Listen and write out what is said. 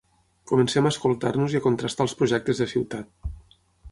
Comencem a escoltar-nos i a contrastar els projectes de ciutat.